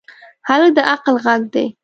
هلک د عقل غږ دی.